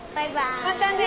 またね。